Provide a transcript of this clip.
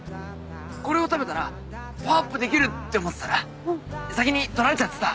これを食べたらパワーアップできる！って思ってたら先に取られちゃってた。